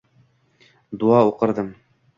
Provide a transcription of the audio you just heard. Duo o’qirdim